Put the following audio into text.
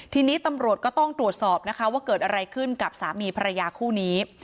ทีนี้ตำรวจก็ต้องตรวจสอบนะคะว่าเกิดอะไรขึ้นกับสามีภรรยาคู่นี้